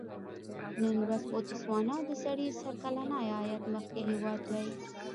نن ورځ بوتسوانا د سړي سر کلني عاید کې مخکې هېواد دی.